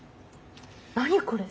何これ！